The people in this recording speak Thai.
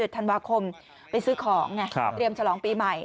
ธันวาคมไปซื้อของไงเตรียมฉลองปีใหม่